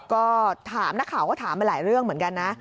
ก็ถามนักข่าวก็ถามมาหลายเรื่องเหมือนกันนะ